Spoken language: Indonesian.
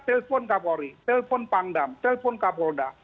telpon kapolri telpon pangdam telpon kapolda